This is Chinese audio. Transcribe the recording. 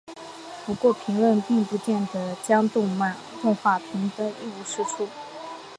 不过评论并不见得将动画评得一无是处。